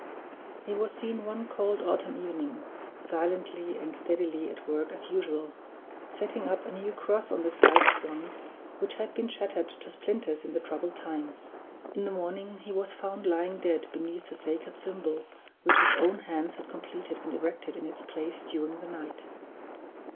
He was seen one cold autumn evening, silently and steadily at work as usual, setting up a new cross on the site of one which had been shattered to splinters in the troubled times. In the morning he was found lying dead beneath the sacred symbol which his own hands had completed and erected in its place during the night.